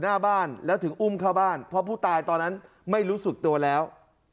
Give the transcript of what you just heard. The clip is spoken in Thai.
หน้าบ้านแล้วถึงอุ้มเข้าบ้านเพราะผู้ตายตอนนั้นไม่รู้สึกตัวแล้ว